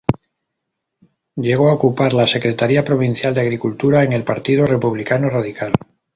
Llegó a ocupar la Secretaría Provincial de Agricultura en el Partido Republicano Radical.